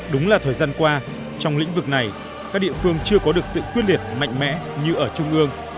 đúng là thời gian qua trong lĩnh vực này các địa phương chưa có được sự quyết liệt mạnh mẽ như ở trung ương